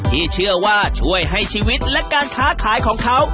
ที่เชื่อว่าช่วยให้ชีวิตและการค้าขายของเขา